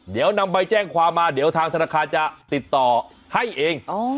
เดี๋ยวนำใบแจ้งความมาเดี๋ยวทางธนาคารจะติดต่อให้เอง